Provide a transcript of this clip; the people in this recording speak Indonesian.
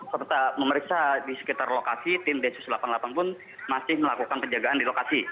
tetap memeriksa di sekitar lokasi tim d satu ratus delapan puluh delapan pun masih melakukan penjagaan di lokasi